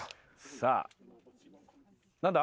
さあ何だ？